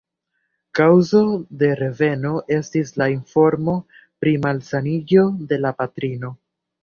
Kaŭzo de reveno estis la informo pri malsaniĝo de la patrino.